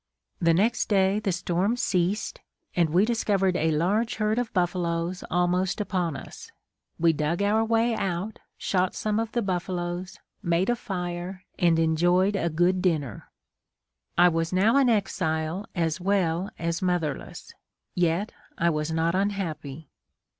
The next day the storm ceased, and we discovered a large herd of buffaloes almost upon us. We dug our way out, shot some of the buffaloes, made a fire and enjoyed a good dinner. I was now an exile as well as motherless; yet I was not unhappy.